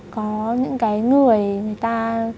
có những cái người người ta